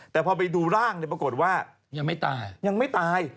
แต่พอไปดูร่างประกดว่ายังไม่ตาย